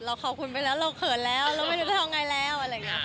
เราขอบคุณไปแล้วเราเขินแล้วเราไม่ได้ต้องทำยังไงแล้ว